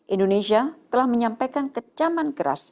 indonesia telah menyampaikan kecaman keras